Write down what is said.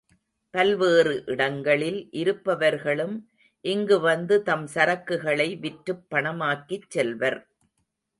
பல்வேறு இடங்களில் இருப்பவர்களும் இங்கு வந்து தம் சரக்குகளை விற்றுப் பணமாக்கிச் செல்வர்.